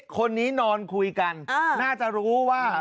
คนนี้นอนคุยกันน่าจะรู้ว่า